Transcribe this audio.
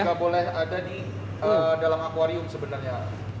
nggak boleh ada di dalam akwarium sebenarnya